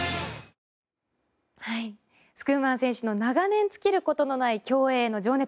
スクーマン選手の長年尽きることのない競泳への情熱